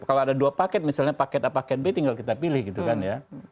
kalau ada dua paket misalnya paket a paket b tinggal kita pilih gitu kan ya